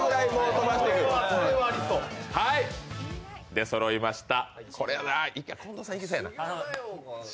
出そろいました。